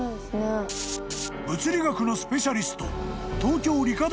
［物理学のスペシャリスト］